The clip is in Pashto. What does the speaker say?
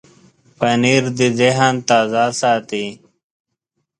پنېر د ذهن تازه ساتي.